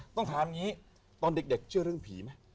ต้องถามอย่างนี้ตอนเด็กเชื่อเรื่องผีไหม